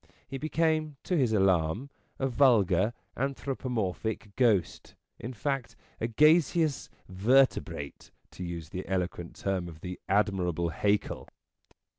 He became, to his alarm, a vulgar, anthropomorphic ghost, in fact, a gaseous vertebrate, to use the eloquent term of the admirable Haeckel.